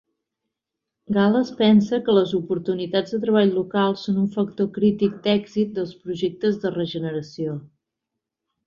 Gal·les pensa que les oportunitats de treball local són un factor crític d'èxit dels projectes de regeneració.